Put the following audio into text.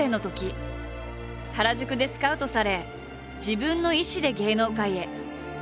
原宿でスカウトされ自分の意志で芸能界へ。